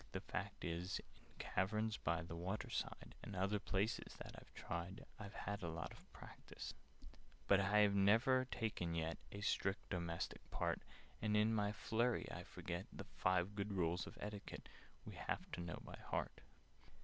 The fact is, In caverns by the water side, And other places that I've tried, I've had a lot of practice: "But I have never taken yet A strict domestic part, And in my flurry I forget The Five Good Rules of Etiquette We have to know by heart."